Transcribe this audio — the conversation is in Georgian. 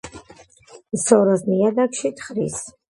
სოროს ნიადაგში თხრის.